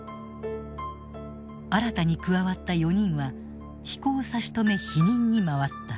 新たに加わった４人は飛行差し止め否認に回った。